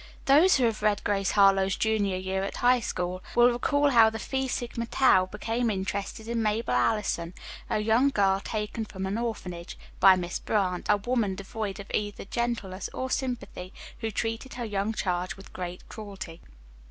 Those who have read "Grace Harlowe's Junior Year at High School" will recall how the Phi Sigma Tau became interested in Mabel Allison, a young girl taken from an orphanage by Miss Brant, a woman devoid of either gentleness or sympathy, who treated her young charge with great cruelty.